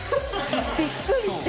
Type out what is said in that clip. びっくりして。